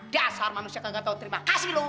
dasar manusia kagak tau terima kasih lu